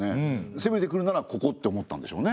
せめてくるならここって思ったんでしょうね。